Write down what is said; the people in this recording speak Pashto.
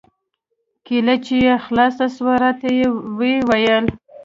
کېله چې يې خلاصه سوه راته ويې ويل.